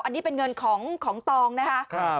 อันนี้เป็นเงินของตองนะคะ